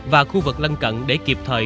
và khu vực lân cận để kịp thời